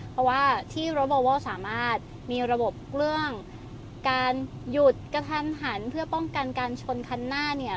เพราะว่าที่รถบอวอลสามารถมีระบบเรื่องการหยุดกระทันหันเพื่อป้องกันการชนคันหน้าเนี่ย